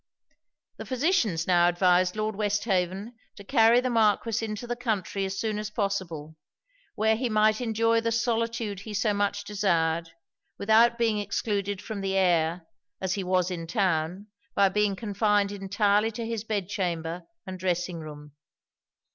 The physicians now advised Lord Westhaven to carry the Marquis into the country as soon as possible; where he might enjoy the solitude he so much desired, without being excluded from the air, as he was in town, by being confined entirely to his bed chamber and dressing room.